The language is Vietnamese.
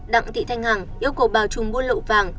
đặng thị thanh hằng yêu cầu bà trùng mua lậu vàng